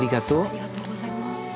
ありがとうございます。